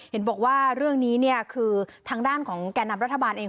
เห็นบอกว่าเรื่องนี้เนี่ยคือทางด้านของแก่นำรัฐบาลเอง